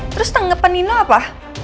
terus tanggep nino apa